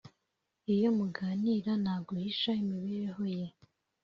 Iyo muganira ntaguhisha imibereho ye